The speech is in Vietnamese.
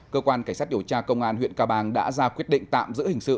cơ quan cảnh sát điều tra công an huyện ca bang đã ra quyết định tạm giữ hình sự